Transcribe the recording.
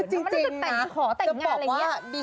มันต้องจะขอแต่งงานอะไรเนี่ย